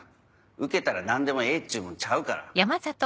ウケたら何でもええっちゅうもんちゃうから。